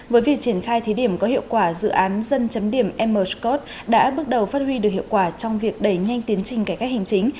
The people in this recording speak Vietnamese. với việc triển khai thí điểm có hiệu quả dự án dân điểm m scot đã bước đầu phát huy được hiệu quả trong việc đẩy nhanh tiến trình cải cách hành chính